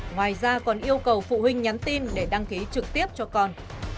ngoài ra còn yêu cầu phụ huynh nhắn tin để đăng ký trực tiếp cho con